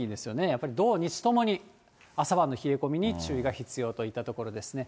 やっぱり土、日ともに朝晩の冷え込みに注意が必要といったところですね。